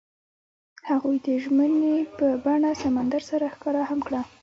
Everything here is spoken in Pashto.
هغوی د ژمنې په بڼه سمندر سره ښکاره هم کړه.